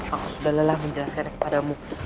aku sudah lelah menjelaskannya kepadamu